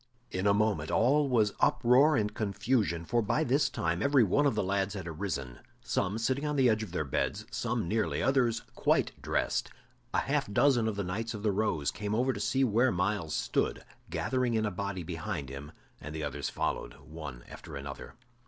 In a moment all was uproar and confusion, for by this time every one of the lads had arisen, some sitting on the edge of their beds, some nearly, others quite dressed. A half dozen of the Knights of the Rose came over to where Myles stood, gathering in a body behind him and the others followed, one after another.